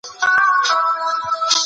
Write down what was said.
د اصول کافي کتاب د سنيانو پر ضد خپور شوی.